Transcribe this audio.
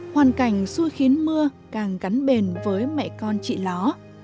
hoàn cảnh xui khiến mưa càng gắn bền với mẹ con chị ló